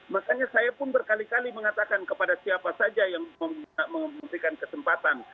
makanya saya pun berkali kali mengatakan kepada siapa saja yang memberikan kesempatan